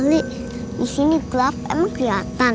kali disini gelap emang keliatan